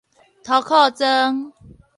塗庫莊